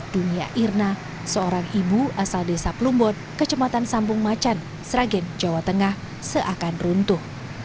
dunia irna seorang ibu asal desa plumbon kecematan sambung macan sragen jawa tengah seakan runtuh